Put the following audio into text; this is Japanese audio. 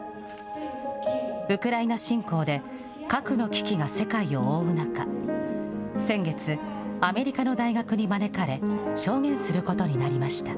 ウクライナ侵攻で核の危機が世界を覆う中、先月、アメリカの大学に招かれ、証言することになりました。